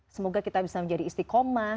semoga kita bisa menjadi istiqomah